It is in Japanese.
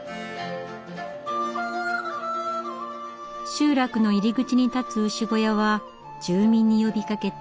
集落の入り口に建つ牛小屋は住民に呼びかけてみんなで改修。